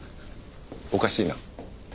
おかしいな。